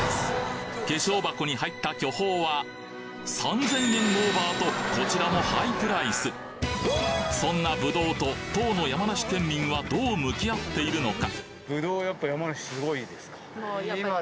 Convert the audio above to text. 化粧箱に入った巨峰は３０００円オーバーとこちらもハイプライスそんなぶどうと当の山梨県民はどう向き合っているのか？